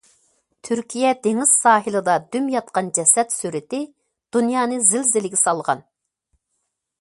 تۈركىيە دېڭىز ساھىلىدا دۈم ياتقان جەسەت سۈرىتى دۇنيانى زىلزىلىگە سالغان.